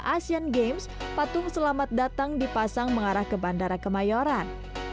asean games patung selamat datang dipasang mengarah ke bandara kemayoran